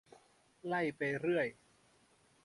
ไล่ไปเรื่อย